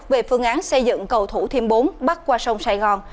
về phương án xây dựng cầu thủ thiêm bốn bắc qua sông sài gòn